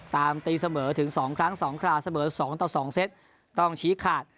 ตีเสมอถึง๒ครั้ง๒คราวเสมอ๒ต่อ๒เซตต้องชี้ขาด